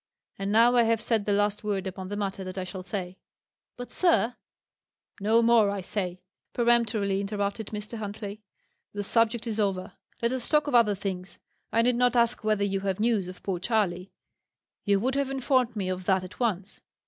And now I have said the last word upon the matter that I shall say." "But, sir " "No more, I say!" peremptorily interrupted Mr. Huntley. "The subject is over. Let us talk of other things. I need not ask whether you have news of poor Charley; you would have informed me of that at once.